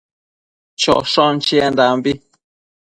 choshon chiendambi